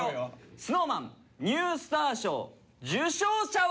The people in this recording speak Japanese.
ＳｎｏｗＭａｎニュースター賞受賞者は。